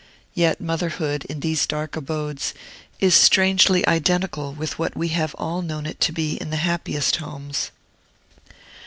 Yet motherhood, in these dark abodes, is strangely identical with what we have all known it to be in the happiest homes.